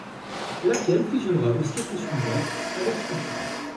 Laquelle fusionnera, au siècle suivant, avec Spaten.